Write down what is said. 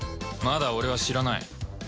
まだ俺は知らない